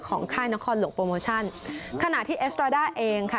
ค่ายนครหลวงโปรโมชั่นขณะที่เอสตราด้าเองค่ะ